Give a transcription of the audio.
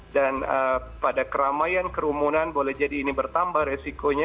dan pada keramaian kerumunan boleh jadi ini bertambah resikonya